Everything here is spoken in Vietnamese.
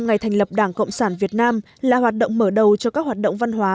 ngày thành lập đảng cộng sản việt nam là hoạt động mở đầu cho các hoạt động văn hóa